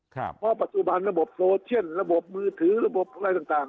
เพราะปัจจุบันระบบโซเชียลระบบมือถือระบบอะไรต่าง